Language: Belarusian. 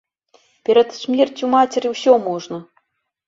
Перад смерцю мацеры ўсё можна.